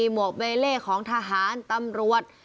หวกเบเล่ของทหารตำรวจ